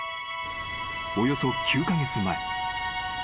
［およそ９カ月前］